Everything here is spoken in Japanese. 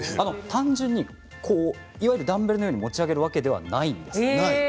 単純にダンベルのように持ち上げるわけじゃないんです。